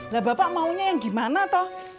nah bapak maunya yang gimana toh